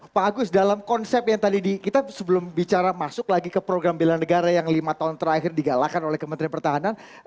pak agus dalam konsep yang tadi kita sebelum bicara masuk lagi ke program bela negara yang lima tahun terakhir digalakan oleh kementerian pertahanan